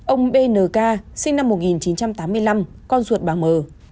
ông bnk sinh năm một nghìn chín trăm tám mươi năm con ruột bà mờ